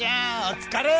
お疲れ！